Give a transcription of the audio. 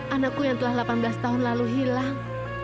anakku yang telah delapan belas tahun lalu hilang